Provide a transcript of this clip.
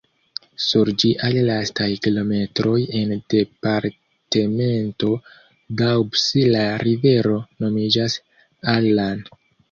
Sur ĝiaj lastaj kilometroj en departemento Doubs la rivero nomiĝas "Allan".